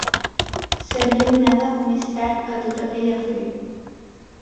...seria donada més tard a tot aquell afer